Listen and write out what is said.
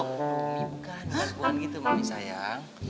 mami bukan lakuan gitu mami sayang